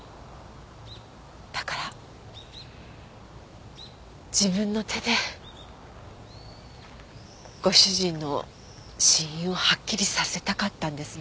だから自分の手でご主人の死因をはっきりさせたかったんですね？